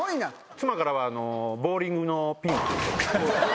妻からはボウリングのピンって。